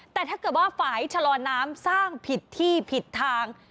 แต่ถ้าเกิดว่าฝ่ายชะลอน้ำสร้างผิดที่ผิดทาง